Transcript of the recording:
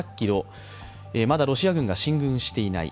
まだロシア軍が進軍していない